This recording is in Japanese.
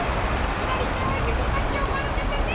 ひだりてはゆびさきをまるめてね